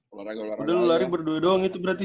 udah lu lari berdua doang itu berarti